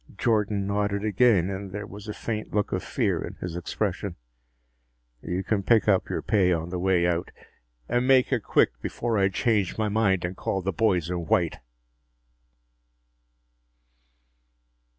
Jordan nodded again and there was a faint look of fear in his expression. "You can pick up your pay on the way out. And make it quick, before I change my mind and call the boys in white!"